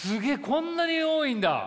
こんなに多いんだ！